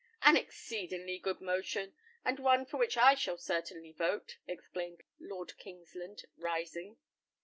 "An exceedingly good motion, and one for which I shall certainly vote!" exclaimed Lord Kingsland, rising.